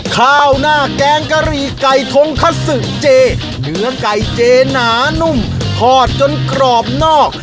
ข้าวหน้าแกงกะหรี่ไก่ทงคัสซึกเจเนื้อไก่เจหนานุ่มทอดจนกรอบนอก